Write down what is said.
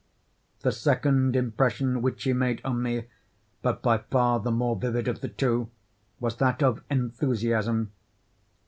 The second impression which she made on me, but by far the more vivid of the two, was that of enthusiasm.